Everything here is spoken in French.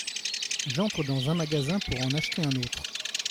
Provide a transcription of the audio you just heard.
J’entre dans un magasin pour en acheter un autre…